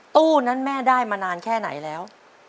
ตู้นั้นแม่ได้มานานแค่ไหนแล้ว